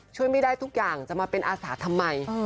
ช่วยไม่ได้ทุกอย่างจะมาเป็นอาสาทำไม